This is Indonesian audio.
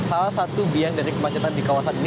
salah satu biang dari kemacetan di kawasan ini